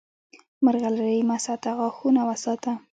مرغلرې مه ساته، غاښونه وساته!